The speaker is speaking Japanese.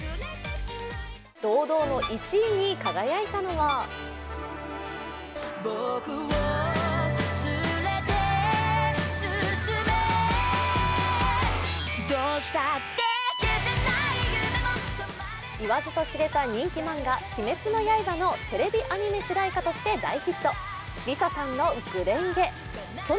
堂々の１位に輝いたのは言わずと知れた人気漫画「鬼滅の刃」のテレビアニメ主題歌として大ヒット、ＬｉＳＡさんの「紅蓮華」。